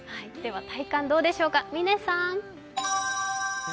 体感どうでしょうか、嶺さん。